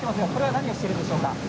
何をしているんでしょうか？